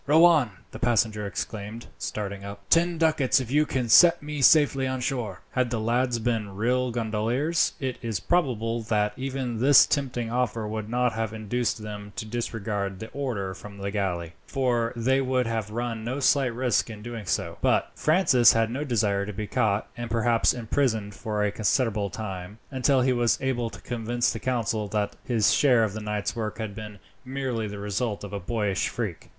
"Row on," the passenger exclaimed, starting up. "Ten ducats if you can set me safely on shore." Had the lads been real gondoliers, it is probable that even this tempting offer would not have induced them to disregard the order from the galley, for they would have run no slight risk in so doing. But Francis had no desire to be caught, and perhaps imprisoned for a considerable time, until he was able to convince the council that his share of the night's work had been merely the result of a boyish freak.